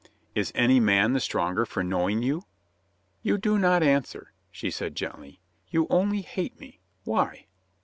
"Is any man the stronger for knowing you?" "You do not answer," she said gently. "You only hate me. Why